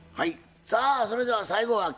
さあそれでは最後は吉弥さん。